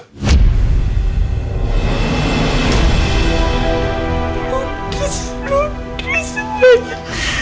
rudis rudis sebenarnya